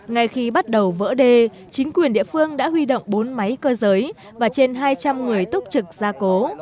ngay khi bắt đầu vỡ đê chính quyền địa phương đã huy động bốn máy cơ giới và trên hai trăm linh người túc trực gia cố